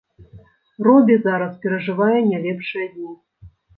Робі зараз перажывае не лепшыя дні.